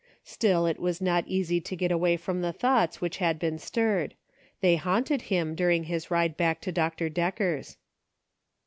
Still it was not easy to get away from the thoughts which had been stirred ; they haunted him during his ride back to Dr. Decker's.